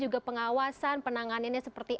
juga pengawasan penanganannya seperti